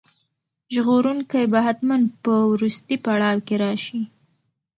ژغورونکی به حتماً په وروستي پړاو کې راشي.